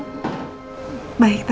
selamat datang nanti mula